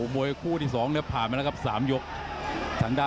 อำบาด